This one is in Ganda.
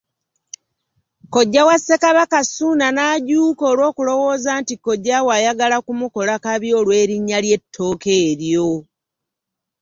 Kojja wa Ssekabaka Ssuuna n’ajuuka olw’okulowooza nti kojjaawe ayagala kumukola kabi olw’erinnya ly’ettooke eryo.